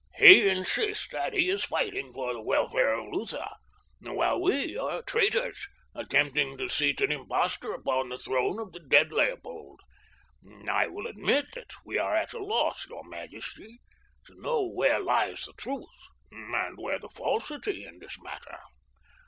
"He insists that he is fighting for the welfare of Lutha, while we are traitors, attempting to seat an impostor upon the throne of the dead Leopold. I will admit that we are at a loss, your majesty, to know where lies the truth and where the falsity in this matter.